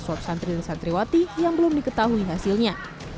swab santri dan santriwati yang belum diketahui hasilnya